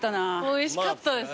おいしかったですね。